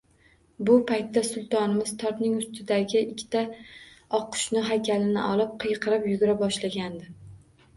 Bu paytda Sultonimiz tortning ustidagi ikkita oqqushning haykalini olib qiyqirib yugura boshlagandi